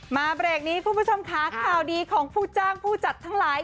เบรกนี้คุณผู้ชมค่ะข่าวดีของผู้จ้างผู้จัดทั้งหลาย